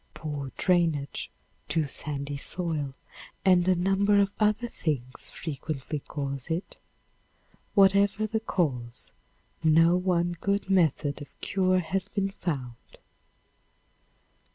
Poor drainage, too sandy soil and a number of other things frequently cause it. Whatever the cause, no one good method of cure has been found.